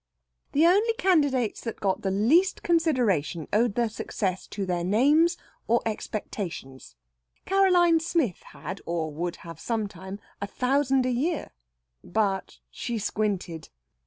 The only candidates that got the least consideration owed their success to their names or expectations. Caroline Smith had, or would have sometime, a thousand a year. But she squinted.